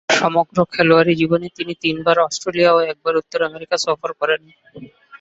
সমগ্র খেলোয়াড়ী জীবনে তিনি তিনবার অস্ট্রেলিয়া ও একবার উত্তর আমেরিকা সফর করেন।